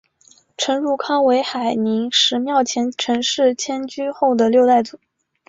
陈汝康为海宁十庙前陈氏迁居后的六代祖。